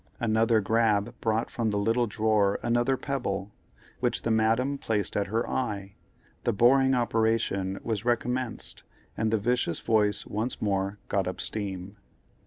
Another grab brought from the little drawer another pebble, which the Madame placed at her eye, the boring operation was recommenced, and the vicious voice once more got up steam.